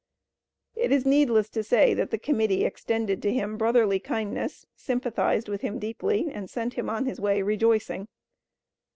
It is needless to say that the Committee extended to him brotherly kindness, sympathized with him deeply, and sent him on his way rejoicing.